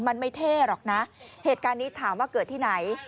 มันไม่เท่หรอกนะเหตุการณ์นี้ถามว่าเกิดที่ไหน